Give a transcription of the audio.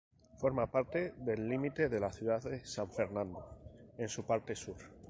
Forma parte del límite de la ciudad de San Fernando en su parte sur.